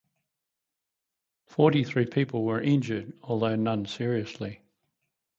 Forty-three people were injured although none seriously.